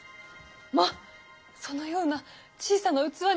まぁそのような小さな器に足を。